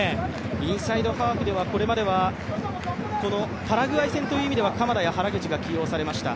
インサイドハーフではこれまではパラグアイ戦という意味では原口などが起用されました。